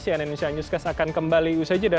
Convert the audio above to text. cnn indonesia newscast akan kembali usai jeda